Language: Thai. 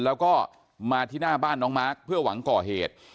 แล้วก็มาที่หน้าบ้านน้องมาร์คเพื่อหวังก่อเหตุ